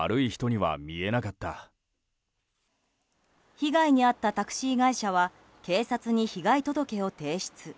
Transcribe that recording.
被害に遭ったタクシー会社は警察に被害届を提出。